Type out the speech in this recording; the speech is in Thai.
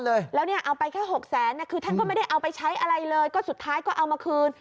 คือท่านก็ไม่ได้เอาไปใช้อะไรเลยก็สุดท้ายก็เอามาคืน